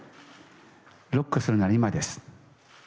ロックするなら今です。